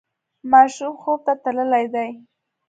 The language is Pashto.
ماشوم خوب ته تللی دی.